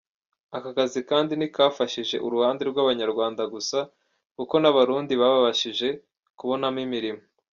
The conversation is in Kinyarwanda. Aka kazi kandi ntikafashije uruhande rw’Abanyarwanda gusa kuko n’Abarundi babashije kubonamo imirimo.